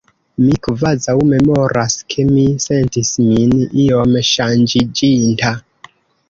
Mi kvazaŭ memoras ke mi sentis min iom ŝanĝiĝinta.